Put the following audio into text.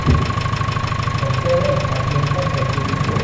แต่ก็เริ่มขาดทุนตั้งแต่ปี